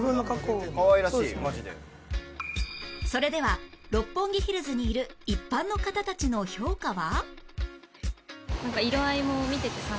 それでは六本木ヒルズにいる一般の方たちの評価は？